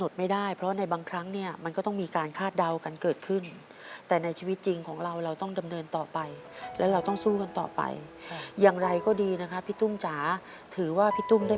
สมบัติที่เราอาจจะต้องขายเข้าไป